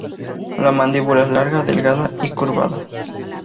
La mandíbula es larga, delgada y curvada.